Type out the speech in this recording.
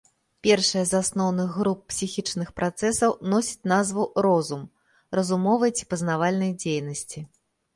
Першая з асноўных груп псіхічных працэсаў носіць назву розум, разумовай ці пазнавальнай дзейнасці.